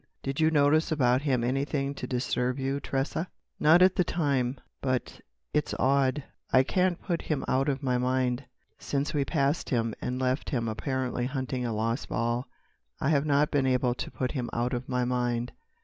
"Did you notice about him anything to disturb you, Tressa?" "Not at the time. But—it's odd—I can't put him out of my mind. Since we passed him and left him apparently hunting a lost ball, I have not been able to put him out of my mind."